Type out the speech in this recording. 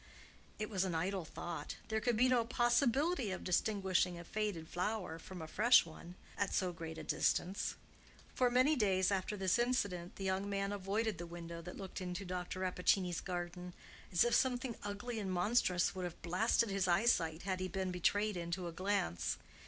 It was an idle thought; there could be no possibility of distinguishing a faded flower from a fresh one at so great a distance. For many days after this incident the young man avoided the window that looked into Dr. Rappaccini's garden, as if something ugly and monstrous would have blasted his eyesight had he been betrayed into a glance.